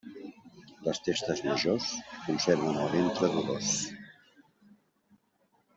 Les festes majors conserven al ventre dolors.